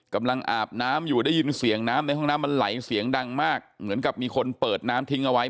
อาบน้ำอยู่ได้ยินเสียงน้ำในห้องน้ำมันไหลเสียงดังมากเหมือนกับมีคนเปิดน้ำทิ้งเอาไว้